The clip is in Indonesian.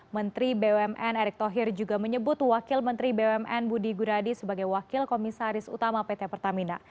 menteri bumn erick thohir juga menyebut wakil menteri bumn budi guradi sebagai wakil komisaris utama pt pertamina